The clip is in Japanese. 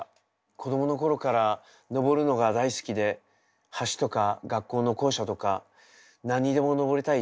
子供の頃から登るのが大好きで橋とか学校の校舎とか何にでも登りたい少年でした。